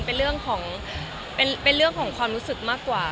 แต่มันเป็นเรื่องของความรู้สึกมากกว่าค่ะ